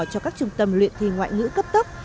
cho các trung tâm luyện thi ngoại ngữ cấp tốc